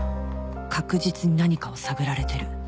確実に何かを探られてる